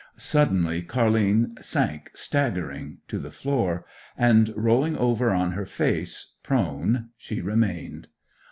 Suddenly Car'line sank staggering to the floor; and rolling over on her face, prone she remained.